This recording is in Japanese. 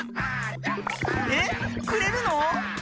ええ？くれるの？